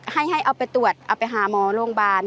ให้เอาไปตรวจเอาไปหาหมอโรงพยาบาล